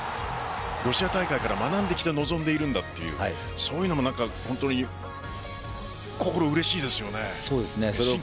ロシア大会から学んできて臨んでいるだというそういうのも心うれしいですよね。